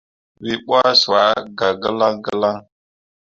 Wǝ ɓuah cua gah gǝlaŋ gǝlaŋ.